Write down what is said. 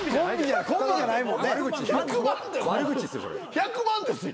１００万ですよ？